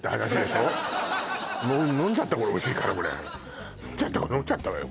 もう飲んじゃったおいしいからこれ飲んじゃったわよ